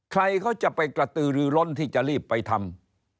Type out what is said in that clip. ใครเขาจะไปกระตือรือล้นที่จะรีบไปทำ